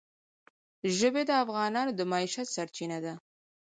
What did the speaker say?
ژبې د افغانانو د معیشت سرچینه ده.